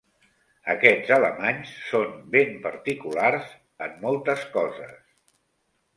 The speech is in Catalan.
Aquests alemanys són ben particulars, en moltes coses!